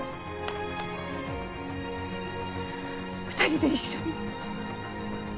２人で一緒に。